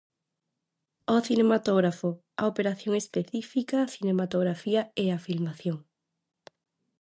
O cinematógrafo. A operación específica da cinematografía é a filmación.